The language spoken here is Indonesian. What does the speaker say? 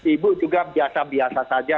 ibu juga biasa biasa saja